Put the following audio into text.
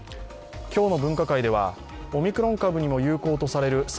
今日の分科会では、オミクロン株にも有効とされる